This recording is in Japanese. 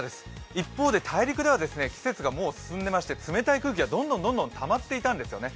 一方で大陸では季節がもう進んでいまして冷たい空気がどんどん、どんどんたまっていたんですね。